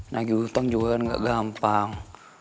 nagi utang juga kan gak gampang